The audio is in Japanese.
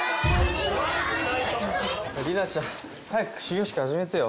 里奈ちゃん早く始業式始めてよ。